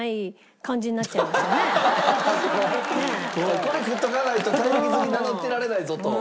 これ食っとかないとたい焼き好き名乗ってられないぞと。